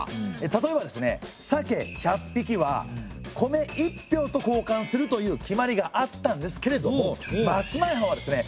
例えばですね鮭１００匹は米１俵とこうかんするという決まりがあったんですけれども松前藩はですね